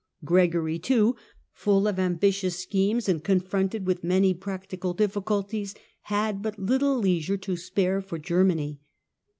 Gregory, too, full of ambitious schemes, and confronted with many practical difficulties, had but little leisure to spare for Germany.